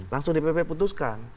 langsung di pp putuskan